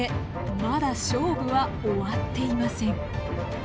まだ勝負は終わっていません。